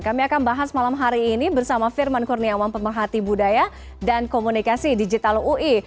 kami akan bahas malam hari ini bersama firman kurniawan pemerhati budaya dan komunikasi digital ui